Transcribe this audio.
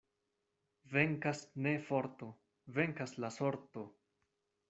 Venkas ne forto, venkas la sorto.